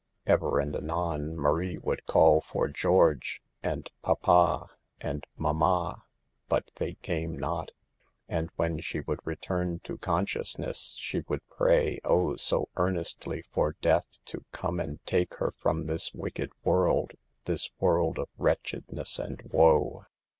Ever and anon Marie would call for 44 George," and 46 Papa," and " Mamma," but they came not, and when she would return to consciousness she would pray, O ! so earnestly, for death to come and take her from this wicked world, this world of wretchedness and woe.